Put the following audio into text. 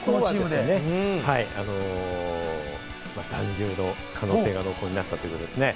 残留の可能性が濃厚になったということですね。